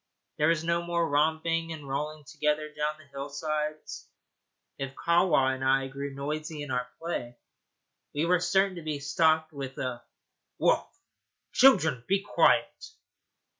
There was no more romping and rolling together down the hillsides. If Kahwa and I grew noisy in our play, we were certain to be stopped with a 'Woof, children! be quiet.'